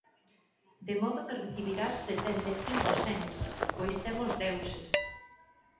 De modo que recibirás setenta e cinco sens..., pois temo os deuses.